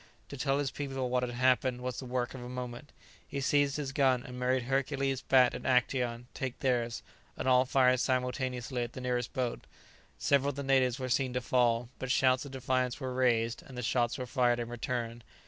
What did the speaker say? To tell his people what had happened was the work of a moment. He seized his gun, and made Hercules, Bat, and Actæon take theirs, and all fired simultaneously at the nearest boat. Several of the natives were seen to fall; but shouts of defiance were raised, and shots were fired in return.